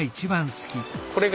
これが。